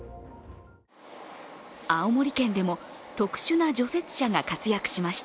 青森県でも、特殊な除雪車が活躍しました。